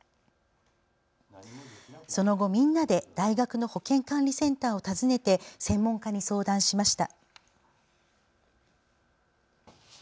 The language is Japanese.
その後、みんなで大学の保健管理センターを訪ねて専門家に相談しました。